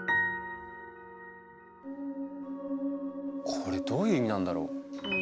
これどういう意味なんだろう？